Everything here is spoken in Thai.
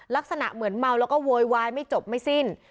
ลักษณะเหมือนเมาแล้วก็โวยวายไม่จบไม่สิ้น